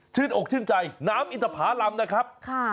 ชื่นอกชื่นใจน้ำอินทธาพารำนะครับ